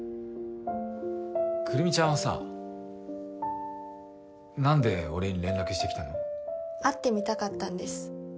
くるみちゃんはさ何で俺に連絡してきたの会ってみたかったんです。